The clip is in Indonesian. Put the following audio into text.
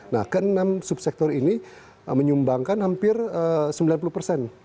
nah ke enam subsektor ini menyumbangkan hampir sembilan puluh persen